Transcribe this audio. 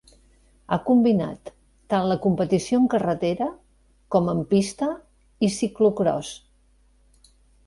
Ha combinat tant la competició en carretera, com en pista i ciclocròs.